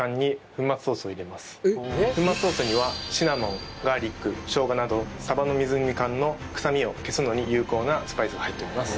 粉末ソースにはシナモンガーリックしょうがなどさばの水煮缶の臭みを消すのに有効なスパイスが入っております